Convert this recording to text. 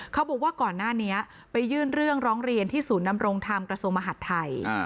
เขาบอกว่าก่อนหน้านี้ไปยื่นเรื่องร้องเรียนที่ศูนย์นำรงธรรมกระทรวงมหาดไทย